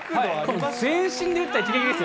全身で打ったぎりぎりですよ。